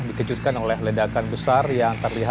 dikejutkan oleh ledakan besar yang terlalu besar